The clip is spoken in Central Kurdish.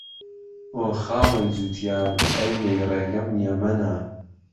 ئۆ خاڵهی جووتیار، ئهی وهی رێگهم یهمهنه